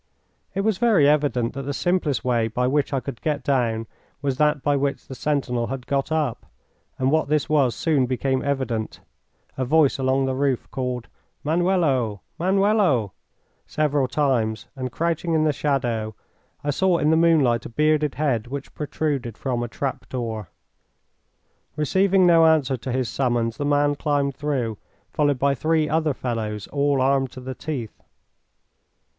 It was very evident that the simplest way by which I could get down was that by which the sentinel had got up, and what this was soon became evident. A voice along the roof called "Manuelo! Manuelo!" several times, and, crouching in the shadow, I saw in the moonlight a bearded head, which protruded from a trap door. Receiving no answer to his summons, the man climbed through, followed by three other fellows, all armed to the teeth.